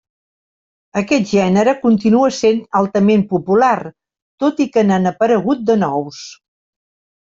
Aquest gènere continua sent altament popular, tot i que n'han aparegut de nous.